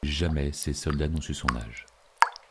Jamais ces soldats n’ont su son âge.